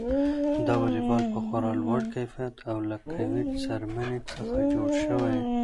دا واليبال په خورا لوړ کیفیت او له قوي څرمنې څخه جوړ شوی.